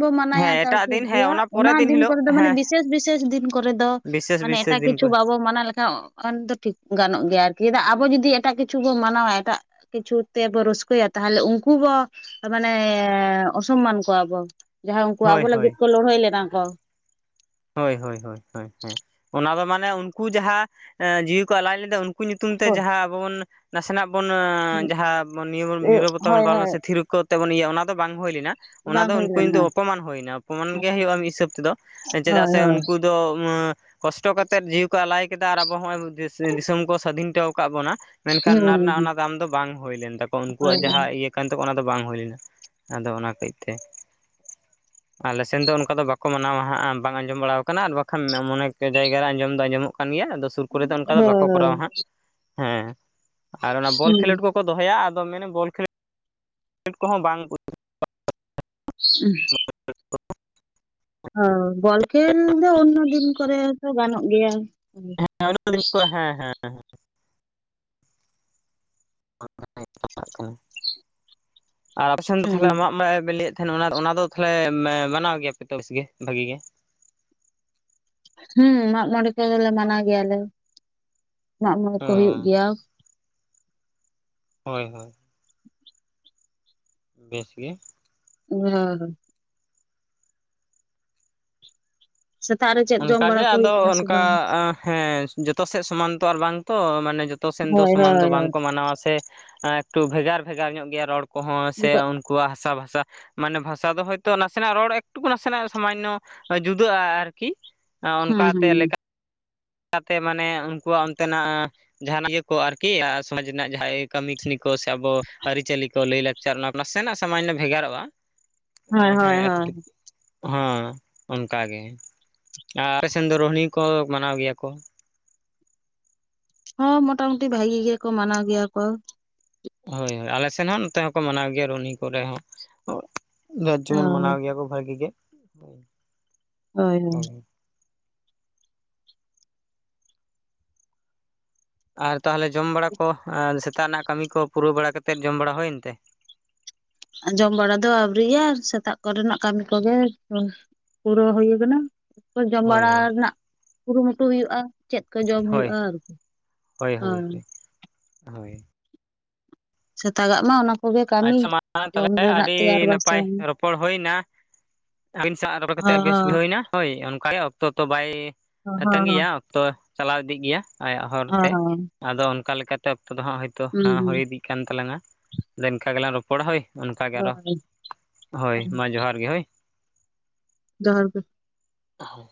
ᱫᱚ ᱢᱟᱱᱟᱭᱟ ᱛᱟᱣ ᱮᱴᱟᱜ ᱴᱷᱤᱠ ᱫᱤᱱ ᱦᱮᱸ ᱜᱮᱭᱟ, ᱯᱚᱨᱮ ᱚᱱᱟ ᱫᱤᱱ ᱦᱤᱞᱳᱜ ᱠᱚᱨᱮ ᱫᱚ ᱢᱟᱱᱮ ᱦᱮᱸ ᱵᱤᱥᱮᱥ ᱵᱤᱥᱮᱥ ᱫᱤᱱ ᱠᱚᱨᱮ ᱫᱚ ᱵᱤᱥᱮᱥ ᱢᱟᱱᱮ ᱵᱤᱥᱮᱥ ᱮᱴᱟᱜ ᱫᱤᱱ ᱠᱤᱪᱷᱩ ᱠᱚᱨᱮ ᱵᱟᱵᱚ ᱢᱟᱱᱟᱣ ᱞᱮᱠᱷᱟᱱ ᱩᱱ ᱫᱚ ᱴᱷᱤᱠ ᱜᱟᱱᱚᱜ ᱜᱮᱭᱟ ᱟᱨᱠᱤ ᱪᱮᱫᱟᱜ ᱟᱵᱚ ᱡᱩᱫᱤ ᱮᱴᱟᱜ ᱠᱤᱪᱷᱩ ᱵᱚ ᱢᱟᱱᱟᱣᱟ ᱮᱴᱟᱜ ᱠᱤᱪᱷᱩ ᱛᱮ ᱵᱚ ᱨᱟᱹᱥᱠᱟᱹᱭᱟ, ᱛᱟᱦᱚᱞᱮ ᱩᱝᱠᱩ ᱵᱚ ᱢᱟᱱᱮ ᱚᱥᱚᱢᱢᱟᱱ ᱠᱚᱣᱟᱵᱚᱱ, ᱡᱟᱦᱟᱸᱭ ᱩᱝᱠᱩ ᱟᱵᱚ ᱦᱳᱭ ᱦᱳᱭ ᱞᱟᱹᱜᱤᱫ ᱠᱚ ᱞᱟᱹᱲᱦᱟᱹᱭ ᱞᱮᱱᱟ ᱠᱚ ᱾ ᱦᱳᱭ ᱦᱳᱭ ᱦᱮᱸ, ᱚᱱᱟ ᱫᱚ ᱢᱟᱱᱮ ᱩᱱᱠᱩ ᱡᱟᱦᱟᱸ ᱮᱸ ᱡᱤᱣᱤ ᱠᱚ ᱟᱞᱟᱭ ᱞᱮᱫᱟ ᱩᱸ ᱩᱱᱠᱩ ᱧᱩᱛᱩᱢ ᱛᱮ ᱡᱟᱦᱟᱸ ᱟᱵᱚ ᱵᱚᱱ ᱱᱟᱥᱮ ᱱᱟᱜ ᱵᱚᱱ ᱡᱟᱦᱟᱸ ᱵᱚᱱ ᱱᱤᱨᱚ ᱱᱤᱨᱵᱚᱛᱟ ᱦᱳᱭ ᱵᱚᱱ ᱯᱟᱞᱚᱱᱟ ᱦᱳᱭ ᱥᱮ ᱛᱷᱤᱨᱩᱜ ᱠᱚᱜ ᱛᱮ ᱵᱚᱱ ᱤᱭᱟᱹᱜᱼᱟ ᱚᱱᱟ ᱫᱚ ᱵᱟᱝ ᱦᱩᱭ ᱞᱮᱱᱟ ᱚᱱᱟ ᱵᱟᱝ ᱫᱚ ᱦᱩᱭ ᱩᱱᱠᱩ ᱞᱮᱱᱟ ᱠᱤᱱᱛᱩ ᱚᱯᱚᱢᱟᱱ ᱦᱩᱭᱱᱟ ᱚᱯᱚᱢᱟᱱ ᱜᱮ ᱦᱩᱭᱩᱜᱼᱟ, ᱢᱤᱫ ᱦᱤᱥᱟᱹᱵᱽ ᱛᱮᱫᱚ ᱪᱮᱫᱟᱜ ᱦᱳᱭ ᱥᱮ ᱦᱳᱭ ᱩᱱᱠᱩ ᱫᱚ ᱠᱚᱥᱴᱚ ᱠᱟᱛᱮᱫ ᱡᱤᱣᱤ ᱠᱚ ᱟᱞᱟᱭ ᱠᱮᱫᱟ ᱟᱨ ᱟᱵᱚ ᱦᱚᱸᱜᱼᱚᱭ ᱫᱤᱥ ᱫᱤᱥᱚᱢ ᱠᱚ ᱥᱟᱹᱫᱷᱤᱱᱴᱚᱣ ᱠᱟᱫ ᱵᱚᱱᱟ ᱢᱮᱱᱠᱷᱟᱱ ᱚᱱᱟ ᱦᱩᱸ ᱨᱮᱱᱟᱜ ᱚᱱᱟ ᱫᱟᱢ ᱫᱚ ᱵᱟᱝ ᱦᱩᱭ ᱞᱮᱱ ᱛᱟᱠᱚᱣᱟ, ᱦᱳᱭ ᱦᱳᱭ ᱩᱱᱠᱩᱣᱟᱜ ᱡᱟᱦᱟᱸ ᱤᱭᱟᱹ ᱠᱟᱱ ᱛᱟᱠᱚᱣᱟ ᱚᱱᱟ ᱫᱚ ᱵᱟᱝ ᱦᱩᱭ ᱞᱮᱱᱟ᱾ ᱟᱫᱚ ᱚᱱᱟ ᱠᱟᱹᱡᱽ ᱛᱮ ᱟᱞᱮ ᱥᱮᱱ ᱫᱚ ᱚᱱᱠᱟ ᱫᱚ ᱵᱟᱠᱚ ᱢᱟᱱᱟᱣᱟ ᱦᱟᱸᱜ ᱵᱟᱝ ᱟᱸᱡᱚᱢ ᱵᱟᱲᱟᱣ ᱠᱟᱱᱟ ᱟᱨ ᱵᱟᱠᱷᱟᱱ ᱢᱚᱱᱮ ᱚᱱᱮᱠ ᱡᱟᱭᱜᱟ ᱨᱮ ᱟᱸᱡᱚᱢ ᱫᱚ ᱟᱸᱡᱚᱢᱚᱜ ᱠᱟᱱ ᱜᱮᱭᱟ ᱟᱫᱚ ᱥᱩᱨ ᱠᱚᱨᱮ ᱫᱚ ᱚᱱᱠᱟ ᱫᱚ ᱵᱟᱠᱚ ᱦᱳᱭ ᱠᱚᱨᱟᱣᱟ ᱦᱟᱸᱜ ᱾ ᱦᱮᱸ ᱟᱨ ᱚᱱᱟ ᱵᱚᱞ ᱦᱩᱸ ᱠᱷᱮᱞᱳᱰ ᱠᱚᱠᱚ ᱫᱚᱦᱚᱭᱟ ᱟᱫᱚ ᱢᱮᱱᱮ ᱵᱚᱞ ᱠᱷᱮᱞ ᱠᱚᱦᱚᱸ ᱵᱟᱝ [inaudible] [inaudible] [unintelligible] ᱚ ᱵᱚᱞ ᱠᱷᱮᱞ ᱫᱚ ᱚᱱᱱᱳ ᱫᱤᱱ ᱠᱚᱨᱮ ᱛᱚ ᱜᱟᱱᱚᱜ ᱜᱮᱭᱟ᱾ ᱦᱩᱸ ᱦᱮᱸ ᱚᱱᱱᱳ ᱫᱤᱱ ᱠᱚᱨᱮ, ᱦᱮᱸ ᱦᱮᱸ ᱦᱮᱸ ᱾ [inaudible] ᱠᱟᱱᱟ ᱟᱨ ᱟᱯᱮ ᱥᱮᱱ ᱫᱚ ᱛᱟᱦᱚᱞᱮ ᱢᱟᱜᱽ ᱢᱚᱬᱮ ᱵᱤᱱ ᱞᱟᱹᱭᱮᱫ ᱛᱟᱦᱮᱱ ᱚᱱᱟ ᱚᱱᱟ ᱫᱚ ᱛᱟᱦᱚᱞᱮ ᱢᱟᱱᱟᱣ ᱜᱮᱭᱟ ᱯᱮ ᱛᱚ ᱵᱮᱥ ᱜᱮ ᱵᱷᱟᱜᱤ ᱜᱮ? ᱦᱮᱸ ᱢᱟᱜᱽ ᱢᱚᱸᱬᱮ ᱠᱚᱫᱚ ᱞᱮ ᱢᱟᱱᱟᱣ ᱜᱮᱭᱟᱞᱮ, ᱢᱟᱜᱽ ᱢᱚᱬᱮ ᱚ ᱠᱚ ᱦᱩᱭᱩᱜ ᱜᱮᱭᱟ᱾ ᱦᱳᱭ ᱦᱳᱭ ᱾ ᱵᱮᱥ ᱜᱮ ᱾ ᱦᱮᱸ ᱦᱮᱸ ᱥᱮᱛᱟᱜ ᱨᱮ ᱪᱮᱫ ᱡᱚᱢ ᱚᱱᱠᱟ ᱵᱟᱲᱟ ᱜᱮ, ᱠᱚ ᱦᱩᱭ ᱟᱫᱚ ᱠᱟᱱᱟ ᱥᱮ ᱚᱱᱠᱟ ᱵᱟᱝ ᱦᱮᱸ ᱡᱚᱛᱚ ᱥᱮᱫ ᱥᱚᱢᱟᱱ ᱛᱚ, ᱟᱨ ᱵᱟᱝ ᱛᱚ ᱢᱟᱱᱮ ᱡᱚᱛᱚ ᱥᱮᱱ ᱫᱚ ᱦᱳᱭ ᱦᱳᱭ ᱥᱚᱢᱟᱱ ᱫᱚ ᱦᱳᱭ ᱵᱟᱝᱠᱚ ᱢᱟᱱᱟᱣᱟ ᱥᱮ ᱮᱠᱴᱩ ᱵᱷᱮᱜᱟᱨ ᱵᱷᱮᱜᱟᱨ ᱧᱚᱜ ᱜᱮᱭᱟ ᱨᱚᱲ ᱠᱚᱦᱚᱸ ᱥᱮ ᱱᱤᱛᱚᱜ ᱩᱱᱠᱩᱣᱟᱜ ᱦᱟᱥᱟ ᱵᱷᱟᱥᱟ ᱢᱟᱱᱮ ᱵᱷᱟᱥᱟ ᱫᱚ ᱦᱳᱭᱛᱳ ᱱᱟᱥᱮᱱᱟᱜ ᱨᱚᱲ ᱮᱠᱴᱩᱠᱩ ᱱᱟᱥᱮᱱᱟᱜ ᱥᱟᱢᱟᱱᱱᱚ ᱡᱩᱫᱟᱹᱜᱼᱟ, ᱟᱨ ᱠᱤ ᱦᱩᱸ ᱚᱱᱠᱟᱛᱮ ᱦᱩᱸ ᱞᱮᱠᱟ ᱞᱮᱠᱟᱛᱮ ᱢᱟᱱᱮ ᱩᱱᱠᱩᱣᱟᱜ ᱚᱱᱛᱮ ᱱᱟᱜ ᱡᱟᱦᱟᱱᱟᱜ ᱜᱮᱠᱚ ᱟᱨᱠᱤ ᱥᱚᱢᱟᱡᱽ ᱨᱮᱱᱟᱜ ᱡᱟᱦᱟᱸᱭ ᱠᱟᱹᱢᱤ ᱠᱟᱥᱱᱤ ᱠᱚ ᱥᱮ ᱟᱵᱚ ᱟᱹᱨᱤᱪᱟᱹᱞᱤ ᱠᱚ ᱞᱟᱹᱭ ᱞᱟᱹᱠ ᱪᱟᱨ ᱚᱱᱟ ᱱᱟᱥᱮᱱᱟᱜ ᱥᱟᱢᱟᱱᱱᱚ ᱵᱷᱮᱜᱟᱨᱚᱜᱼᱟ ᱾ [inaudible] ᱚ ᱦᱮᱸ ᱦᱳᱭ ᱦᱳᱭ ᱮᱠᱴᱩ ᱦᱮᱸ ᱚᱱᱠᱟ ᱜᱮ ᱟᱨ ᱟᱞᱮ ᱥᱮᱱ ᱫᱚ ᱨᱳᱦᱱᱤ ᱠᱚ ᱢᱟᱱᱟᱣ ᱜᱮᱭᱟ ᱠᱚ ᱾ ᱦᱚᱸ ᱢᱳᱴᱟ ᱢᱩᱴᱤ ᱵᱷᱟᱜᱤ ᱜᱮᱭᱟ ᱠᱚ ᱢᱟᱱᱟᱣ ᱜᱮᱭᱟ ᱠᱚ ᱾ ᱦᱳᱭ ᱦᱳᱭ ᱟᱞᱮ ᱥᱮᱱ ᱦᱚᱸ ᱱᱚᱛᱮ ᱦᱚᱸᱠᱚ ᱢᱟᱱᱟᱣ ᱜᱮᱭᱟ ᱨᱩᱱᱦᱤ ᱠᱚᱨᱮ ᱦᱚᱸ ᱾ ᱡᱟ ᱚ ᱡᱮᱢᱚᱱ ᱢᱟᱱᱟᱣ ᱜᱮᱭᱟ ᱠᱚ ᱵᱷᱟᱹᱜᱤ ᱜᱮ ᱾ ᱦᱳᱭ ᱦᱳᱭ ᱾ ᱟᱨ ᱛᱟᱦᱚᱞᱮ ᱡᱚᱢ ᱵᱟᱲᱟ ᱠᱚ, ᱥᱮᱛᱟᱜ ᱨᱮᱱᱟᱜ ᱠᱟᱹᱢᱤ ᱠᱚ ᱯᱩᱨᱟᱹᱣ ᱵᱟᱲᱟ ᱠᱟᱛᱮᱫ ᱡᱚᱢ ᱵᱟᱲᱟ ᱦᱩᱭᱮᱱ ᱛᱮ? ᱡᱚᱢ ᱵᱟᱲᱟ ᱫᱚ ᱟᱹᱣᱨᱤᱭᱟ ᱥᱮᱛᱟᱜ ᱠᱚᱨᱮᱱᱟᱜ ᱠᱟᱹᱢᱤ ᱠᱚᱜᱮ ᱯᱩᱨᱟᱹᱣ ᱦᱩᱭ ᱟᱠᱟᱱᱟ᱾ ᱡᱚᱢ ᱦᱳᱭ ᱵᱟᱲᱟ ᱨᱮᱱᱟᱜ ᱠᱩᱨᱩᱢᱩᱴᱩ ᱦᱩᱭᱩᱜᱼᱟ ᱾ ᱪᱮᱫ ᱠᱚ ᱡᱚᱢ ᱦᱳᱭ ᱦᱩᱭᱩᱜᱼᱟ ᱟᱨᱠᱤ ᱦᱳᱭ ᱾ ᱦᱳᱭ ᱾ ᱥᱮᱛᱟᱜᱟᱜ ᱢᱟ ᱚᱱᱟ ᱠᱚ ᱟᱪᱷᱟ ᱢᱟ ᱛᱟᱦᱚᱞᱮ ᱟᱹᱰᱤ ᱱᱟᱯᱟᱭ ᱵᱟᱥᱟᱝ ᱨᱚᱯᱚᱲ ᱦᱩᱭ ᱮᱱᱟ᱾ ᱟᱹᱵᱤᱱ ᱥᱟᱶ ᱨᱚᱯᱚᱲ ᱚ ᱠᱟᱛᱮᱫ ᱵᱮᱥ ᱦᱚᱸ ᱵᱩᱡᱷᱟᱹᱣᱮᱱᱟ ᱦᱳᱭ ᱚᱱᱠᱟᱜᱮ ᱚᱠᱛᱚ ᱛᱚ ᱵᱟᱭ ᱦᱚᱸ ᱛᱟᱺᱜᱤᱭᱟ ᱦᱚᱸ ᱚᱠᱛᱚ ᱪᱟᱞᱟᱣ ᱤᱫᱤᱜ ᱜᱮᱭᱟ᱾ ᱟᱭᱟᱜ ᱦᱚᱨ ᱦᱚᱸ ᱛᱮ ᱦᱚᱸ ᱟᱫᱚ ᱚᱱᱠᱟ ᱞᱮᱠᱟᱛᱮ ᱚᱠᱛᱚ ᱫᱚ ᱦᱟᱸᱜ ᱦᱭᱛᱚ ᱦᱩᱸ ᱦᱩᱸ ᱦᱚᱭ ᱤᱫᱤᱜ ᱠᱟᱱ ᱛᱟᱞᱟᱝᱟ᱾ ᱟᱫᱚ ᱤᱱᱠᱟ ᱜᱮᱞᱟᱝ ᱨᱚᱯᱚᱲᱟ ᱦᱳᱭ ᱚᱱᱠᱟᱜᱮ ᱟᱨᱦᱚ, ᱦᱳᱭ ᱢᱟ ᱡᱚᱦᱟᱨ ᱜᱮ ᱦᱳᱭ᱾ ᱡᱚᱦᱟᱨ ᱜᱮ ᱾ ᱚᱳ